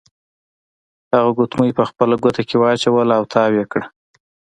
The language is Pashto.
هغه ګوتمۍ په خپله ګوته کې واچوله او تاو یې کړه.